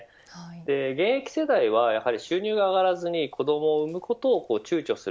現役世代は収入が上がらずに、子どもを生むことにちゅうちょする